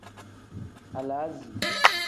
Alaazi.